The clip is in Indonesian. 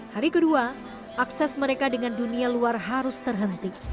hari kedua akses mereka dengan dunia luar harus terhenti